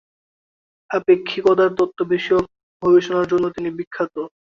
আপেক্ষিকতার তত্ত্ব বিষয়ক গবেষণার জন্য তিনি বিখ্যাত।